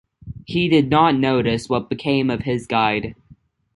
He did not notice what became of his guide.